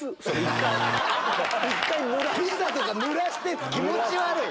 ピザとかぬらして気持ち悪い！